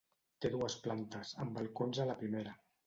Té dues plantes, amb balcons a la primera.